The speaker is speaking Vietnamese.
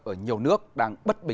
ở nhiều nước đang bất kỳ